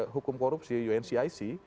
hukum korupsi uncic